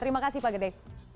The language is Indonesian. terima kasih pak gede